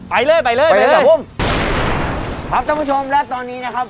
ไปเลยไปเลยไปเลยผมครับท่านผู้ชมและตอนนี้นะครับ